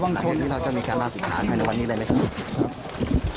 หลังจากที่เป็นโรงงานแล้วขออนุญาตนะครับเดี๋ยวล้มนะครับ